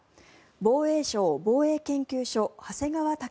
防衛省防衛研究所長谷川雄